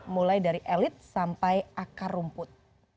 mulai dari elit sampai akar rumput